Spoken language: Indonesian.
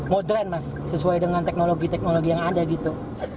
modern mas sesuai dengan teknologi teknologi yang ada gitu